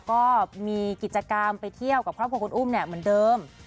ก็มีกิจกรรมไปเที่ยวกับครอบครัวคุณอุ้มเหมือนเดิม